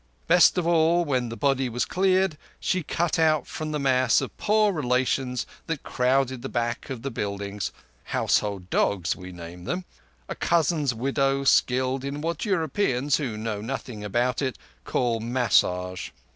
Best of all, when the body was cleared, she cut out from the mass of poor relations that crowded the back of the buildings—house hold dogs, we name them—a cousin's widow, skilled in what Europeans, who know nothing about it, call massage.